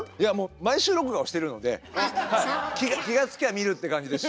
毎週録画はしてるので気が付きゃ見るって感じですし。